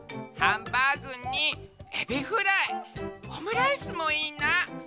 「ハンバーグにエビフライオムライスもいいな。